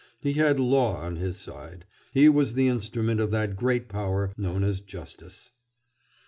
He had Law on his side; he was the instrument of that great power known as Justice.